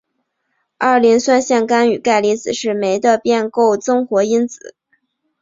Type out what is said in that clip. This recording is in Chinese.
二磷酸腺苷与钙离子是酶的变构增活因子。